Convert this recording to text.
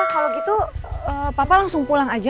kalau gitu papa langsung pulang aja